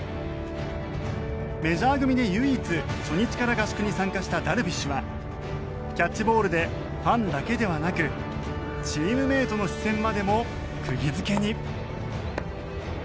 メジャー組で唯一初日から合宿に参加したダルビッシュはキャッチボールでファンだけではなくチームメートの視線までも釘付けに。